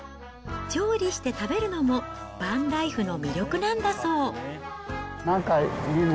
調理して食べるのも、バンライフの魅力なんだそう。